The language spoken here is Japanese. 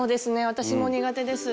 私も苦手です。